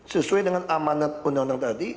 sesuai dengan amanat undang undang tadi